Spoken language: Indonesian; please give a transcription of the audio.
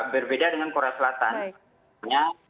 berbeda dengan korea selatan